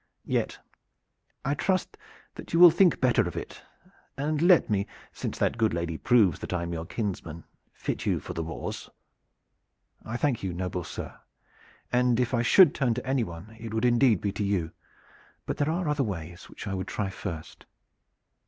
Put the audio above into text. Yet I trust that you will think better of it and let me, since that good lady proves that I am your kinsman, fit you for the wars." "I thank you, noble sir, and if I should turn to anyone it would indeed be to you; but there are other ways which I would try first.